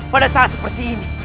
pada saat seperti ini